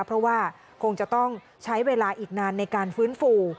เพราะว่าคงจะต้องใช้เวลาอีกนานในการฟื้นฟู